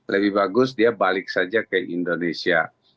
lebih bagus dia balik saja ke indonesia